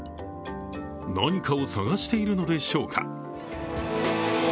何かを探しているのでしょうか。